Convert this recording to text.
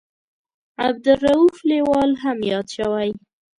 عبدالرووف لیوال هم یاد شوی.